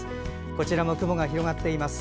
こちらも雲が広がっています。